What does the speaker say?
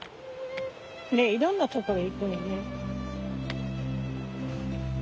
でいろんなところ行くのね。